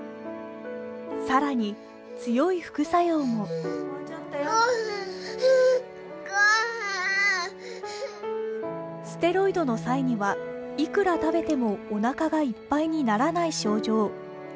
更に、強い副作用もステロイドの際には、いくら食べてもおなかがいっぱいにならない症状。